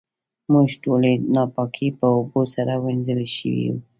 موږ ټولې ناپاکۍ په اوبو سره وېنځلی شو.